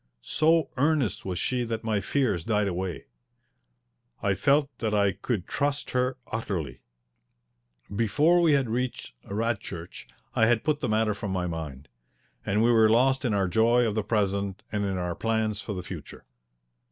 So earnest was she that my fears died away. I felt that I could trust her utterly. Before we had reached Radchurch I had put the matter from my mind, and we were lost in our joy of the present and in our plans for the future.